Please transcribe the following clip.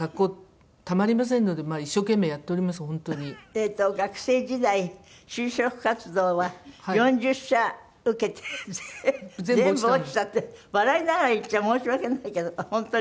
えっと学生時代就職活動は４０社受けて全部落ちたって笑いながら言っちゃ申し訳ないけど本当にすごい。